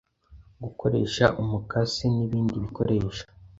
gukoresha umukasi, n’ibindi bikoresho